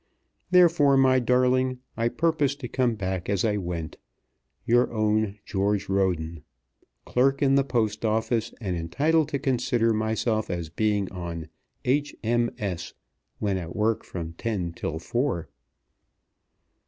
Therefore, my darling, I purpose to come back as I went, Your own, GEORGE RODEN. Clerk in the Post Office, and entitled to consider myself as being on "H.M.S." when at work from ten till four.